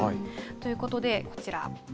ということで、こちら。